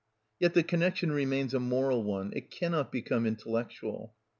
Yet the connection remains a moral one; it cannot become intellectual.